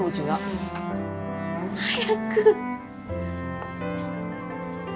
早く。